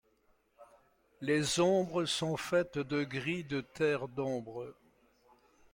Les ombres sont faites de gris, de terre d'ombre.